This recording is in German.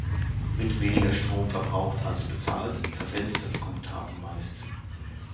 Wird weniger Strom verbraucht als bezahlt, verfällt das Guthaben meist.